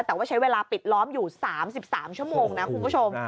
แต่ว่าใช้เวลาปิดล้อมอยู่๓๓ชั่วโมงนะคุณผู้ชม